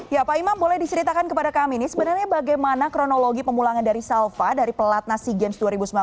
ya pak imam boleh diceritakan kepada kami nih sebenarnya bagaimana kronologi pemulangan dari salva dari pelatna sea games dua ribu sembilan belas